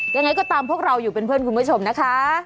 ยังไงก็ตามพวกเราอยู่เป็นเพื่อนคุณผู้ชมนะคะ